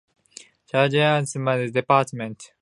Chagas was then director of the department.